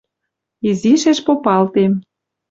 Изишеш попалтем.